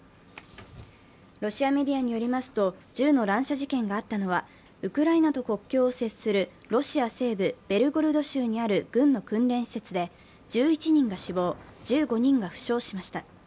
ロシアメディアによりますと銃の乱射事件があったのはウクライナと国境を接するロシア西部ベルゴロド州にある軍の訓練施設で、１１人が死亡、１５人が負傷しました。